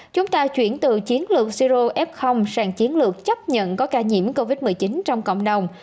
chúng ta chuyển từ chiến lược siro f sang chiến lược chấp nhận có ca nhiễm covid một mươi chín trong cộng đồng